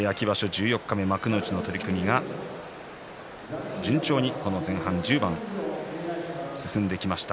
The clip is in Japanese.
十四日目、幕内の取組が順調にこの前半１０番進んできました。